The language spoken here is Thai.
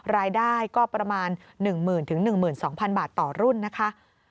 รายได้ก็ประมาณ๑๐๐๐๑๒๐๐๐บาทต่อรุ่นนะคะ